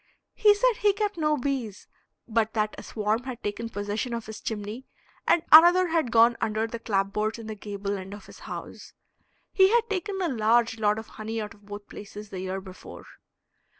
He said he kept no bees, but that a swarm had taken possession of his chimney, and another had gone under the clapboards in the gable end of his house. He had taken a large lot of honey out of both places the year before.